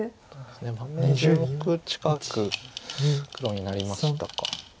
盤面１０目近く黒になりましたか。